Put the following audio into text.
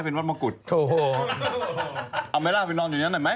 เป็นวัดมงกุฎโอ้โหเอาไหมล่ะไปนอนอยู่นั้นหน่อยไหม